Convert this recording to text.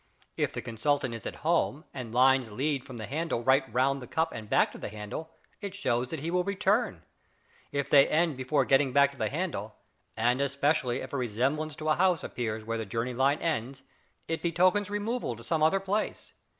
If the consultant is at home and lines lead from the handle right round the cup and back to the handle, it shows that he will return; if they end before getting back to the handle, and especially if a resemblance to a house appears where the journey line ends, it betokens removal to some other place.